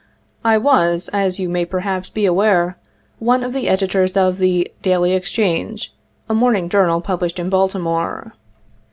I was, as you may perhaps be aware, one of the Editors of the Daily Exchange, a morning journal published in Baltimore.